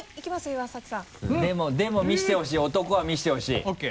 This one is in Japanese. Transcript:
でも見せてほしい男は見せてほしい。ＯＫ！